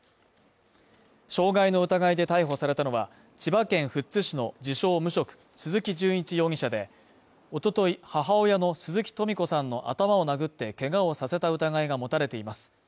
傷害の疑いで逮捕されたのは、千葉県富津市の自称・無職、鈴木順一容疑者で、おととい、母親の鈴木とみ子さんの頭を殴ってけがをさせた疑いが持たれています。